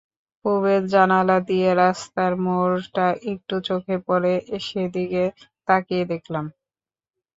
পুবের জানালা দিয়ে রাস্তার মোড়টা একটু চোখে পড়ে, সেদিকে তাকিয়ে দেখলাম।